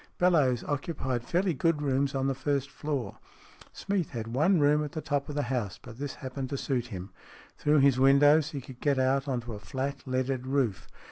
Bellowes occupied fairly good rooms on the first floor. Smeath had one room at the top of the house, but this happened to suit him. Through his windows he could get out on to a flat, leaded roof.